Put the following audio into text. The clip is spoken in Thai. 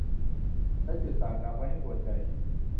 และจุดด่างดำไว้ให้ปวดใจ